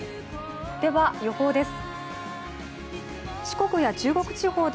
では予報です。